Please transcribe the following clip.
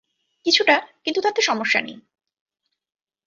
কিছুটা, কিন্তু তাতে সমস্যা নেই।